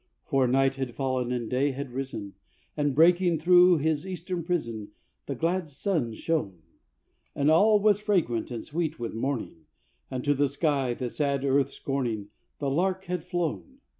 For night had fallen and day had risen, And, breaking through his eastern prison, The glad sun shone; And all was fragrant and sweet with morning, And to the sky, the sad earth scorning, The lark had flown.